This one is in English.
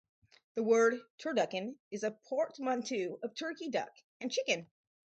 The word "turducken" is a portmanteau of "turkey", "duck", and "chicken".